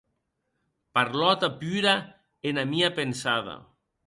Parlòta pura, ena mia pensada.